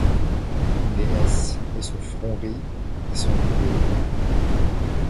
Déesse ; et son front rit, et son épée est nue ;